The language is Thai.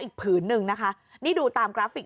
ผืนหนึ่งนะคะนี่ดูตามกราฟิก